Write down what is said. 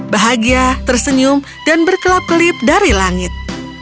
bahagia tersenyum dan berkelap kelip dari langit